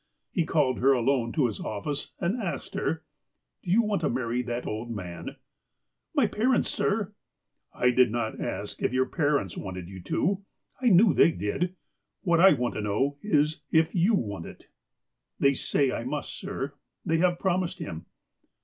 He called her alone to his office, and asked her :" Do you want to marry that old man ?"'' My parents, sir "'^ I did not ask if your parents wanted you to. I knew they did. What I want to know is if you want it ?"" They say I must, sir. They have promised him."